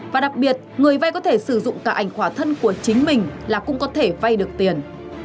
và đặc biệt người vay có thể sử dụng cả ảnh khỏa thân của chính mình là cũng có thể vay được tiền